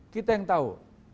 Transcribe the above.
kita yang tahu